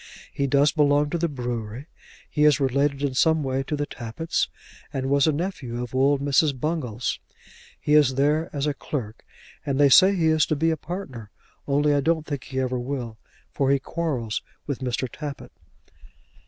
He does belong to the brewery. He is related in some way to the Tappitts, and was a nephew of old Mrs. Bungall's. He is there as a clerk, and they say he is to be a partner, only I don't think he ever will, for he quarrels with Mr. Tappitt."